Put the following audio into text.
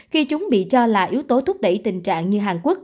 khi chúng bị cho là yếu tố thúc đẩy tình trạng như hàn quốc